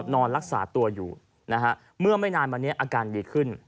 นอนรักษาตัวอยู่นะฮะเมื่อไม่นานมานี้อาการดีขึ้น